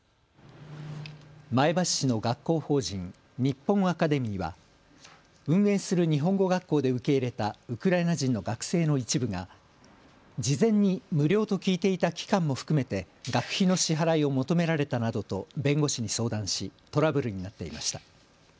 前橋市の学校法人ＮＩＰＰＯＮＡＣＡＤＥＭＹは運営する日本語学校で受け入れたウクライナ人の学生の一部が事前に無料と聞いていた期間も含めて学費の支払いを求められたなどと弁護士に相談しトラブルになっていました。